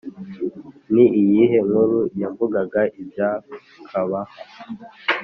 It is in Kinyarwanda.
ni iyihe nkuru yavugaga ibya kaʽbah?